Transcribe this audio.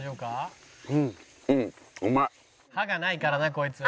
歯がないからねこいつ。